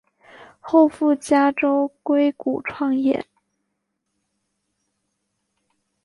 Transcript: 后赴加州硅谷创业。